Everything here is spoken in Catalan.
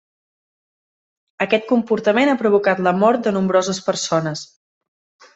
Aquest comportament ha provocat la mort de nombroses persones.